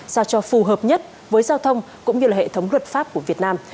ra cho phù hợp nhất với giao thông cũng như hệ thống luật pháp của việt nam